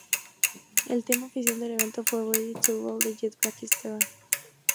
El tema oficial del evento fue ""Ready to Roll"" de Jet Black Stare.